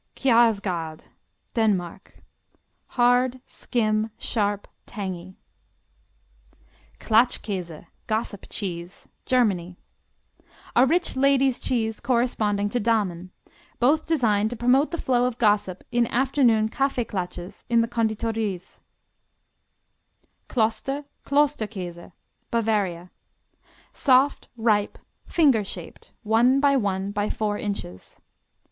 Kjarsgaard Denmark Hard; skim; sharp; tangy. Klatschkäse, Gossip Cheese Germany A rich "ladies' cheese" corresponding to Damen; both designed to promote the flow of gossip in afternoon Kaffee klatsches in the Konditories. Kloster, Kloster Käse Bavaria Soft; ripe; finger shaped, one by one by four inches.